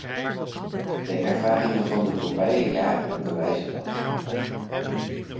De ervaringen van de voorbije jaren bewijzen dat.